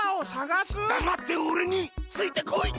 だまっておれについてこい！